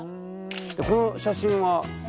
この写真は？